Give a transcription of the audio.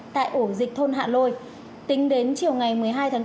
tại ổ dịch thôn hạ lôi tính đến chiều ngày một mươi hai tháng bốn